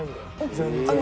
全然。